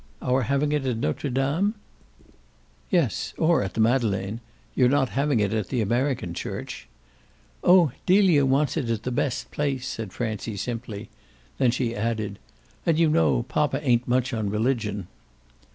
"Our having it at Notre Dame?" "Yes, or at the Madeleine. Your not having it at the American church." "Oh Delia wants it at the best place," said Francie simply. Then she added: "And you know poppa ain't much on religion."